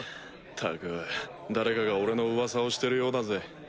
ったく誰かが俺のうわさをしてるようだぜ。